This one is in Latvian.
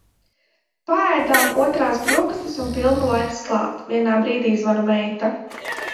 Paēdām otrās brokastis un filmu laiks klāt. Vienā brīdī zvana meita.